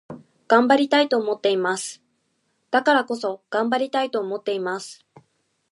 頑張りたいと思っています。だからこそ、頑張りたいと思っています。